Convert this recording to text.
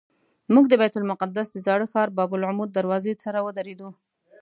موږ د بیت المقدس د زاړه ښار باب العمود دروازې سره ودرېدو.